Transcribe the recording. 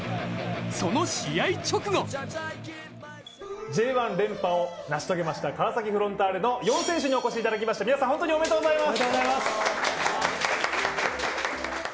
その試合直後Ｊ１連覇を成し遂げました川崎フロンターレの４選手にお越しいただきました皆さん、本当におめでとうございます。